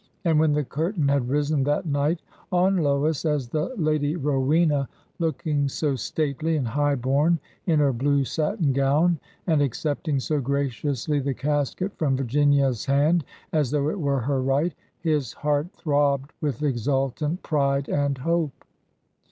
And when the curtain had risen that night on Lois as the Lady Rowena, looking so stately and high born in her blue satin gown, and accepting so graciously the casket from Virginia's hand as though it were her right, his heart throbbed with exultant pride and hope.